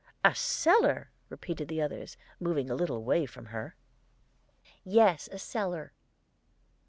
"A cellar!" repeated the others, moving a little away from her. "Yes, a cellar."